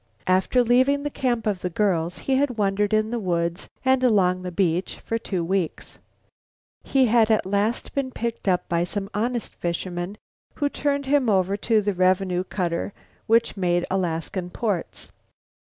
After leaving the camp of the girls he had wandered in the woods and along the beach for two weeks. He had at last been picked up by some honest fishermen who turned him over to the revenue cutter which made Alaskan ports.